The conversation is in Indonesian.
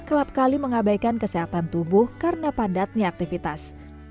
kerap kali mengabaikan kesehatan tubuh karena padatnya aktivitas